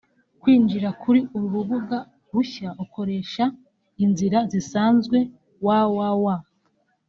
Kwinjira kuri uru rubuga rushya ukoresha inzira zisanzwe [www